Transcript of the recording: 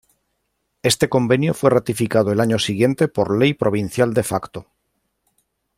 Este convenio fue ratificado el año siguiente por ley provincial de facto.